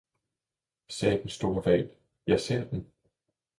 sagde den store hval, jeg ser den!